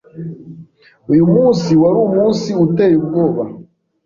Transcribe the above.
Uyu munsi wari umunsi uteye ubwoba.